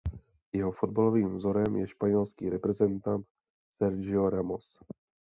Jeho fotbalovým vzorem je španělský reprezentant Sergio Ramos.